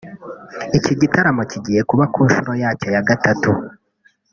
Iki gitaramo kigiye kuba ku nshuro yacyo ya gatatu